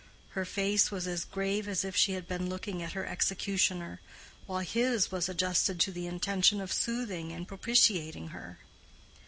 Her face was as grave as if she had been looking at her executioner, while his was adjusted to the intention of soothing and propitiating her.